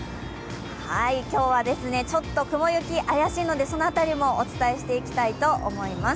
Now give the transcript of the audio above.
今日はちょっと雲行き怪しいので、その辺りもお伝えしていきたいと思います。